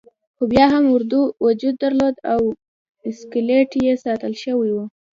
خو بیا هم اردو وجود درلود او اسکلیت یې ساتل شوی وو.